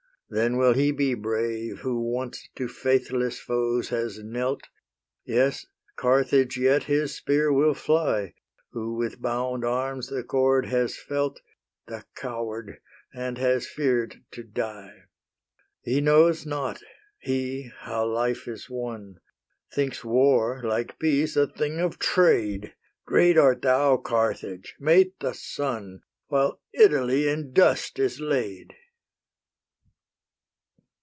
then will he be brave Who once to faithless foes has knelt; Yes, Carthage yet his spear will fly, Who with bound arms the cord has felt, The coward, and has fear'd to die. He knows not, he, how life is won; Thinks war, like peace, a thing of trade! Great art thou, Carthage! mate the sun, While Italy in dust is laid!"